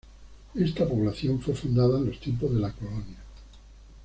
Esta población fue fundada en los tiempos de la Colonia.